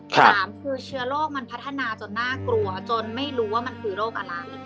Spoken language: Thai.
สามคือเชื้อโรคมันพัฒนาจนน่ากลัวจนไม่รู้ว่ามันคือโรคอะไร